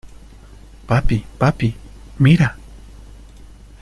¡ papi! ¡ papi, mira !